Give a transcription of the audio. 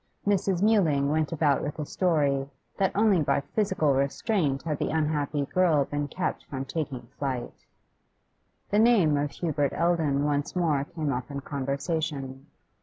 Mrs. Mewling went about with a story, that only by physical restraint had the unhappy girl been kept from taking flight. The name of Hubert Eldon once more came up in conversation.